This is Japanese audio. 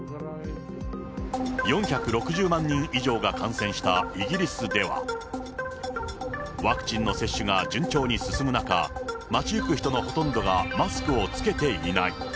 ４６０万人以上が感染したイギリスでは、ワクチンの接種が順調に進む中、街行く人のほとんどがマスクを着けていない。